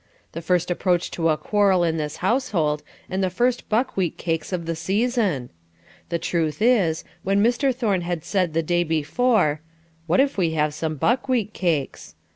The first approach to a quarrel in this household, and the first buckwheat cakes of the season! The truth is, when Mr. Thorne had said the day before, "What if we have some buckwheat cakes?"